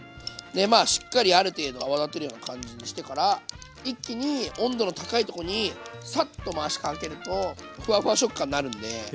しっかりある程度泡立てるような感じにしてから一気に温度の高いとこにサッと回しかけるとふわふわ食感になるんで。